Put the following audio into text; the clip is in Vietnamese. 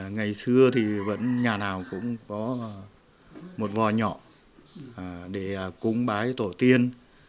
ngày xưa thì vẫn nhà nào cũng có một vò nhỏ để cúng bái tổ tiên